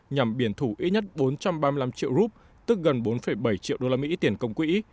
nhằm biển thủ ít nhất bốn trăm ba mươi năm triệu rup tức gần bốn bảy triệu đô la mỹ tiền công quỹ